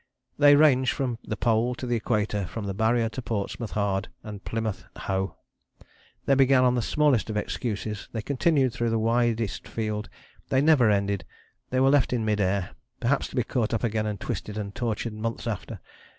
They ranged from the Pole to the Equator, from the Barrier to Portsmouth Hard and Plymouth Hoe. They began on the smallest of excuses, they continued through the widest field, they never ended; they were left in mid air, perhaps to be caught up again and twisted and tortured months after.